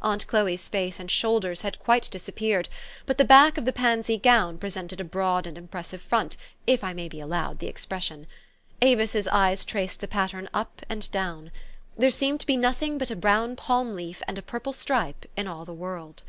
Aunt Chloe's face and shoulders had quite disappeared ; but the back of the pansy gown pre sented a broad and impressive front, if I may be allowed the expression. A vis's eyes traced the pat tern up and down. There seemed to be nothing but a brown palm leaf and a purple stripe in all the world.